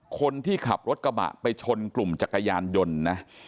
คนที่ขับรถกระบะไปชนกลุ่มจักรยานยนต์นะ